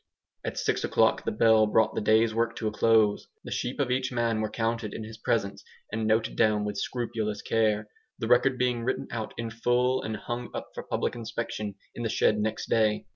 At six o'clock the bell brought the day's work to a close. The sheep of each man were counted in his presence, and noted down with scrupulous care, the record being written out in full and hung up for public inspection in the shed next day.